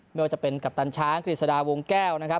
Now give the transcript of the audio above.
ไม่ว่าจะเป็นกัปตันช้างกฤษฎาวงแก้วนะครับ